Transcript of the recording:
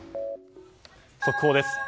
速報です。